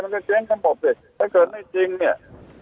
มันก็เจ๊งข้ามบบสิถ้าเกิดไม่จริงเนี้ย